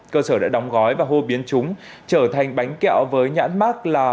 cơ sở đã đóng gói và hô biến chúng trở thành bánh kẹo với nhãn mát là